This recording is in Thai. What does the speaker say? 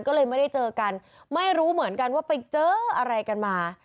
ก็เลยไม่ได้เจอกันไม่รู้เหมือนกันว่าไปเจออะไรกันมา